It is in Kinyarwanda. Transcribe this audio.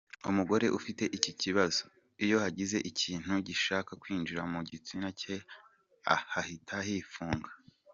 Umugore ufite iki kibazo, iyo hagize ikintu gishaka kwinjira mu gitsina cye hahita hifunga.